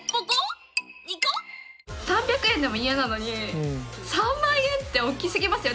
３００円でもイヤなのに３万円って大きすぎますよ。